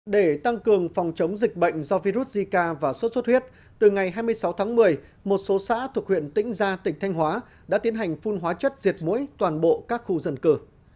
để tăng cường phòng chống dịch bệnh do virus zika và sốt xuất huyết từ ngày hai mươi sáu tháng một mươi một số xã thuộc huyện tĩnh gia tỉnh thanh hóa đã tiến hành phun hóa chất diệt mũi toàn bộ các khu dân cư